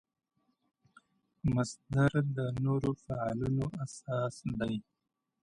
مصدر د نورو فعلونو اساس دئ.